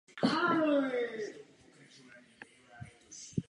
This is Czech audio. Ze sbírek českých botanických zahrad není žádný druh tohoto rodu uváděn.